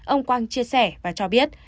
ông quang chia sẻ và cho biết